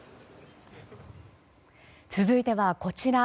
続いては、こちら。